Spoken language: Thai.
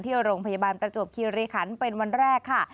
ที่โรงพยาบาลประจวบคิริขันเป็นวันแรกค่ะ